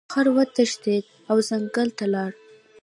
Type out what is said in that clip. خر وتښتید او ځنګل ته لاړ.